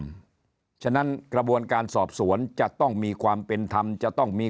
เพราะฉะนั้นกระบวนการสอบสวนจะต้องมีความเป็นธรรมจะต้องมี